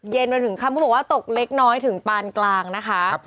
เย็นไปถึงคำพูดว่าตกเล็กน้อยถึงปานกลางนะคะ